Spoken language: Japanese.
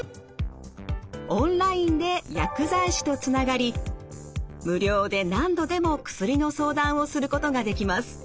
オンラインで薬剤師とつながり無料で何度でも薬の相談をすることができます。